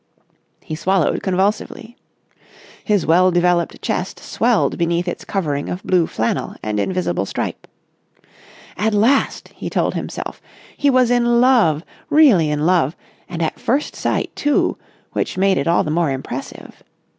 He swallowed convulsively. His well developed chest swelled beneath its covering of blue flannel and invisible stripe. At last, he told himself, he was in love, really in love, and at first sight, too, which made it all the more impressive.